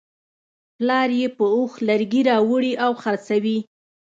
پلار یې په اوښ لرګي راوړي او خرڅوي.